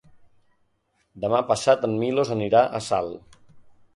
Demà passat en Milos anirà a Salt.